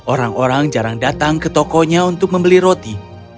orang orang jarang datang ke tokonya untuk membeli roti